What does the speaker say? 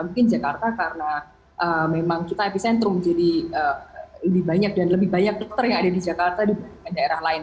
mungkin jakarta karena memang kita epicentrum jadi lebih banyak dan lebih banyak dokter yang ada di jakarta dibandingkan daerah lain